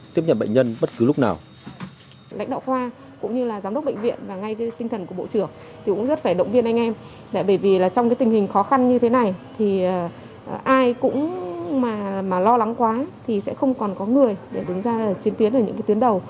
tiếp nhận bệnh nhân bất cứ lúc nào